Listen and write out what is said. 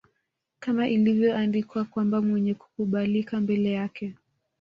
Kama ilivyoandikwa kwamba Mwenye kukubalika mbele yake